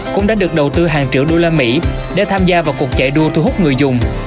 cũng đã được đầu tư hàng triệu usd để tham gia vào cuộc chạy đua thu hút người dùng